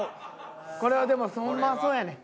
これはでもほんまそうやねん。